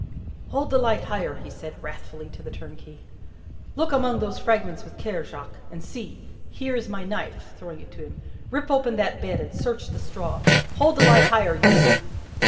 "Hold the light higher!" he said, wrathfully, to the turnkey. "Look among those fragments with care, Jacques. And see! Here is my knife," throwing it to him; "rip open that bed, and search the straw. Hold the light higher, you!"